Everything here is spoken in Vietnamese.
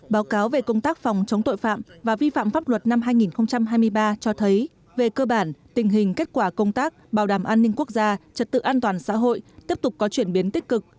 báo cáo về công tác phòng chống tội phạm và vi phạm pháp luật năm hai nghìn hai mươi ba cho thấy về cơ bản tình hình kết quả công tác bảo đảm an ninh quốc gia trật tự an toàn xã hội tiếp tục có chuyển biến tích cực